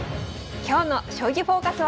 今日の「将棋フォーカス」は。